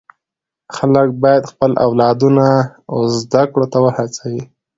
خلک باید خپل اولادونه و زده کړو ته و هڅوي.